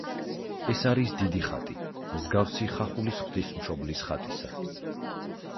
ეს არის დიდი ხატი, მსგავსი ხახულის ღვთისმშობლის ხატისა.